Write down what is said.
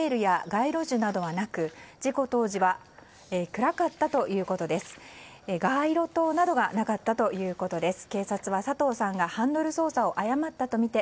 街路灯などがなかったということです。